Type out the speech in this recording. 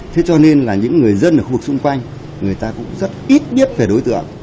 thế cho nên là những người dân ở khu vực xung quanh người ta cũng rất ít biết về đối tượng